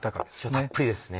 今日たっぷりですね。